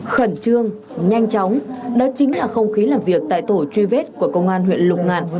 khẩn trương nhanh chóng đó chính là không khí làm việc tại tổ truy vết của công an huyện lục ngạn